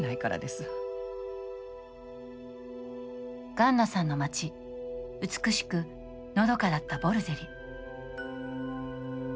ガンナさんの町美しくのどかだったボルゼリ。